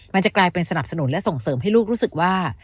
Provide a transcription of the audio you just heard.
มันจะกลายเป็นสนับสนุนและส่งเสริมให้ลูกรู้สึกว่า